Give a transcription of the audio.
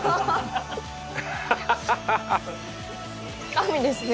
神ですね